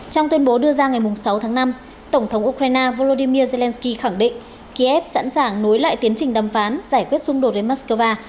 trong tuyên bố đưa ra ngày sáu tháng năm tổng thống ukraine volodymyr zelensky khẳng định kiev sẵn sàng nối lại tiến trình đàm phán giải quyết xung đột với moscow